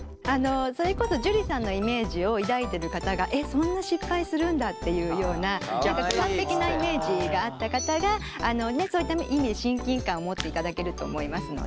それこそ樹さんのイメージを抱いてる方がえっそんな失敗するんだっていうような完璧なイメージがあった方がそういった意味で親近感を持っていただけると思いますので。